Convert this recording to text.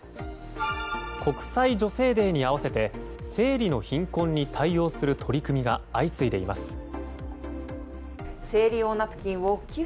国際女性デーに合わせて生理の貧困に対応する取り組みが相次いでいます。